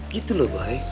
gitu loh boy